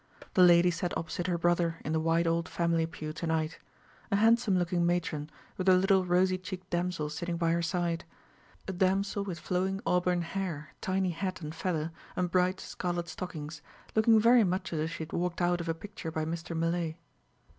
The lady sat opposite her brother in the wide old family pew to night a handsome looking matron, with a little rosy cheeked damsel sitting by her side a damsel with flowing auburn hair, tiny hat and feather, and bright scarlet stockings, looking very much as if she had walked out of a picture by Mr. Millais.